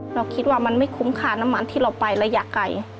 เราคิดว่ามันไม่คุ้มค่าน้ำมันที่เราไประยะไกล